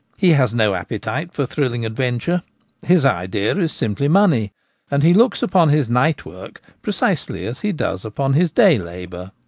He has no appetite for thrilling adventure ; his idea is simply money, and he looks upon his night work precisely as he does upon his day labour.